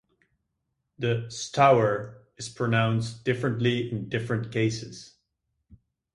The "Stour" is pronounced differently in different cases.